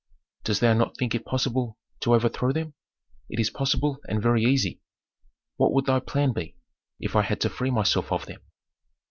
"Dost thou not think it possible to overthrow them?" "It is possible and very easy." "What would thy plan be, if I had to free myself of them?"